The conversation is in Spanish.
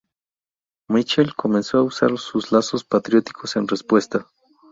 Mitchell comenzó a usar sus lazos patrióticos en respuesta.